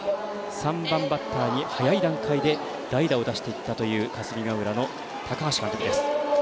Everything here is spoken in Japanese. ３番バッターに早い段階で代打を出していったという霞ヶ浦の高橋監督です。